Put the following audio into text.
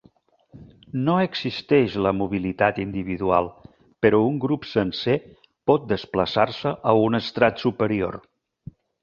No existeix la mobilitat individual, però un grup sencer pot desplaçar-se a un estrat superior.